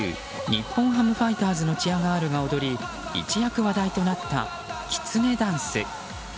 日本ハムファイターズのチアガールが踊り一躍話題となったきつねダンス。